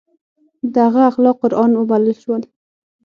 د هغه اخلاق قرآن وبلل شول.